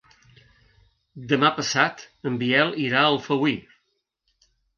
Demà passat en Biel irà a Alfauir.